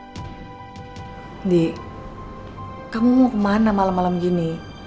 ini kamu mau kemana malam malam gini